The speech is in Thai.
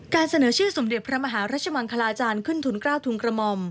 เสนอชื่อสมเด็จพระมหารัชมังคลาจารย์ขึ้นทุน๙ทุนกระหม่อม